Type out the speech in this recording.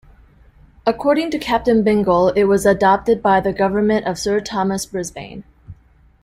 According to Captain Bingle it was adopted by the Government of Sir Thomas Brisbane.